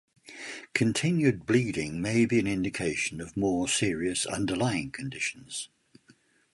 Continued bleeding may be an indication of more serious underlying conditions.